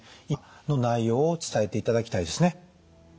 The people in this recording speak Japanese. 今の内容を伝えていただきたいですね。